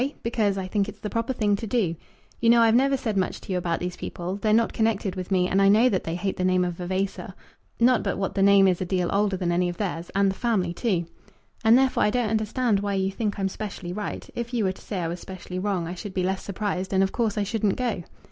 because I think it's the proper thing to do. You know I've never said much to you about these people. They're not connected with me, and I know that they hate the name of Vavasor; not but what the name is a deal older than any of theirs, and the family too." "And therefore I don't understand why you think I'm specially right. If you were to say I was specially wrong, I should be less surprised, and of course I shouldn't go."